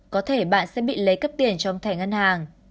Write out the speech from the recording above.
có thể bạn sẽ bị lấy cắp tiền trong thẻ ngân hàng